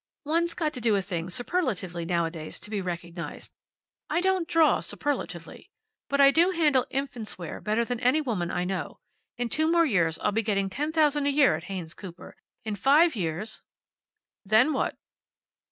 One's got to do a thing superlatively, nowadays, to be recognized. I don't draw superlatively, but I do handle infants' wear better than any woman I know. In two more years I'll be getting ten thousand a year at Haynes Cooper. In five years " "Then what?"